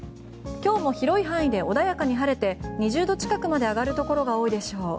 今日も広い範囲で穏やかに晴れて２０度近くまで上がるところが多いでしょう。